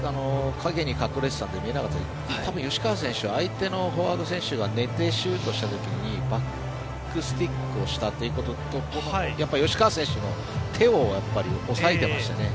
陰に隠れて見えなかったですが吉川選手は相手のフォワード選手が寝てシュートした時にバックスティックをしたということと吉川選手の手を抑えてましたね。